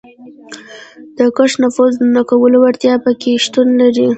د قشر د نفوذ نه کولو وړتیا په کې شتون لري.